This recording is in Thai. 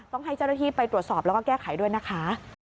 ต้องให้เจ้าหน้าที่ไปตรวจสอบแล้วก็แก้ไขด้วยนะคะ